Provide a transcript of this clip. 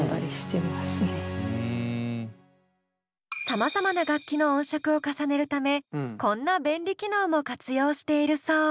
さまざまな楽器の音色を重ねるためこんな便利機能も活用しているそう。